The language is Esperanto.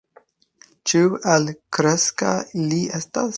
Ĉu altkreska li estas?